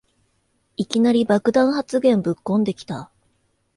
いきなり爆弾発言ぶっこんできた